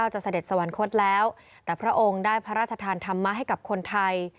เสด็จสวรรคตแล้วแต่พระองค์ได้พระราชทานธรรมะให้กับคนไทย